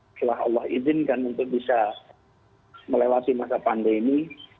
setelah allah izinkan untuk bisa melewati masa pandemi